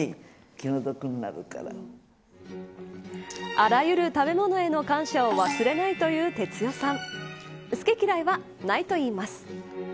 あらゆる食べ物への感謝を忘れないという哲代さん好き嫌いはないといいます。